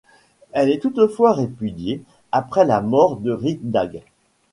Elle est toutefois répudiée après la mort de Rikdag.